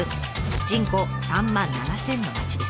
人口３万７，０００の町です。